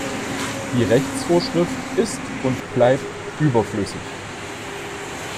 Die Rechtsvorschrift ist und bleibt überflüssig.